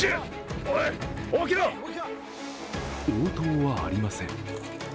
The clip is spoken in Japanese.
応答はありません。